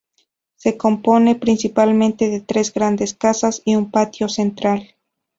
Se compone principalmente de tres grandes casas y un patio central.